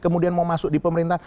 kemudian mau masuk di pemerintah